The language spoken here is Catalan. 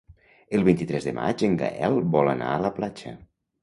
El vint-i-tres de maig en Gaël vol anar a la platja.